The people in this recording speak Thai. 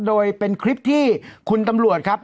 โดยเป็นคลิปที่คุณตำรวจครับ